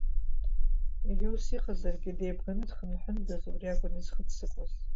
Егьа ус иҟазаргьы, деибганы дхынҳәындаз, убри акәын изхыццакуаз…